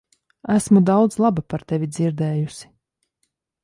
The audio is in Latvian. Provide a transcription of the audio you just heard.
Esmu daudz laba par tevi dzirdējusi.